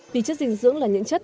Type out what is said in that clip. vì chất dinh dưỡng là những chất